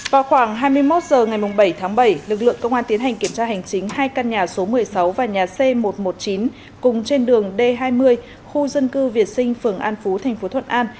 vào khoảng hai mươi một h ngày bảy tháng bảy lực lượng công an tiến hành kiểm tra hành chính hai căn nhà số một mươi sáu và nhà c một trăm một mươi chín cùng trên đường d hai mươi khu dân cư việt sinh phường an phú thành phố thuận an